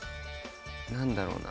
何だろうな。